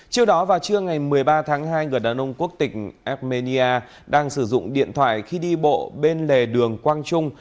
trước đó vào trưa ngày một mươi ba tháng hai người đàn ông quốc tịch armenia đang sử dụng điện thoại khi đi bộ bên lề đường quang trung